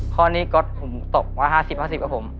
ข้อนี้ก็ตกว่า๕๐๕๐กับผม